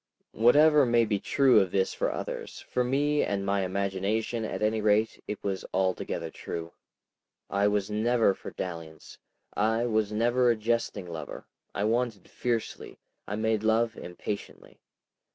Whatever may be true of this for others, for me and my imagination, at any rate, it was altogether true. I was never for dalliance, I was never a jesting lover. I wanted fiercely; I made love impatiently.